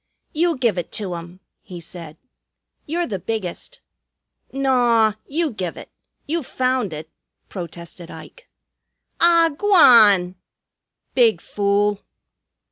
"You give it to 'um," he said. "You're the biggest." "Naw! You give it. You found it," protested Ike. "Ah, g'wan!" "Big fool!"